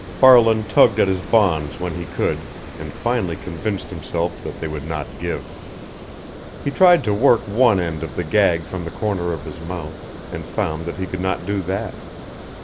Farland tugged at his bonds when he could, and finally convinced himself that they would not give. He tried to work one end of the gag from the corner of his mouth and found that he could not do that.